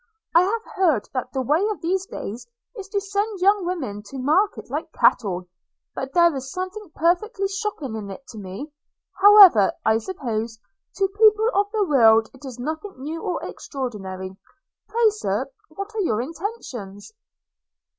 – I have heard that the way of these days is to send young women to market like cattle: but there is something perfectly shocking in it to me. – However, I suppose, to people of the world it is nothing new or extraordinary. – Pray, Sir, what are your intentions?'